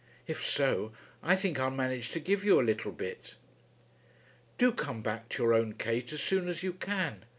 If so, I think I'll manage to give you a little bit. Do come back to your own Kate as soon as you can.